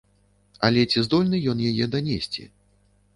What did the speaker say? Але ці здольны ён яе данесці?